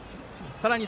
さらに